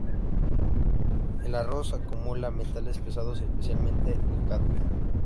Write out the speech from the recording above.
El arroz acumula metales pesados, especialmente el cadmio.